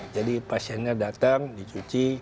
jadi pasiennya datang dicuci